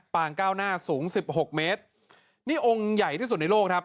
งเก้าหน้าสูงสิบหกเมตรนี่องค์ใหญ่ที่สุดในโลกครับ